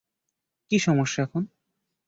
কি সমস্যা এখন?